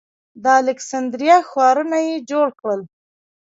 د الکسندریه ښارونه یې جوړ کړل